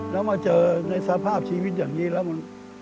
แล้วมาเจอในสภาพชีวิตอย่างนี้แล้วมัน